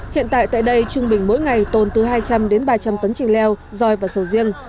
hiện tại tại đây trung bình mỗi ngày tồn từ hai trăm linh đến ba trăm linh tấn chanh leo roi và sầu riêng